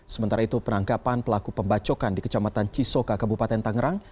sementara itu penangkapan pelaku pembacokan di kecamatan cisoka kabupaten tangerang